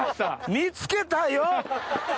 見つけたよ！